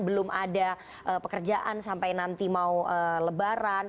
belum ada pekerjaan sampai nanti mau lebaran